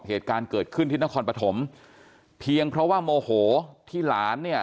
เหตุการณ์เกิดขึ้นที่นครปฐมเพียงเพราะว่าโมโหที่หลานเนี่ย